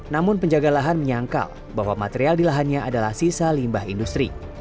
namun penjaga lahan menyangkal bahwa material di lahannya adalah sisa limbah industri